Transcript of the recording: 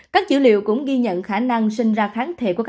các dữ liệu cũng ghi nhận khả năng sinh ra kháng thể của các